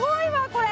これ。